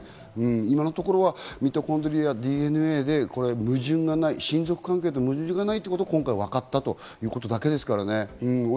今のところはミトコンドリアＤＮＡで矛盾がない、親族関係に矛盾がないということがわかったというこ